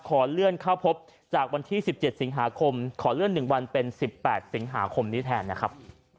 ขอเลื่อนเข้าพบจากวันที่๑๗สิงหาคมขอเลื่อน๑วันเป็น๑๘สิงหาคมนี้แทนนะครับ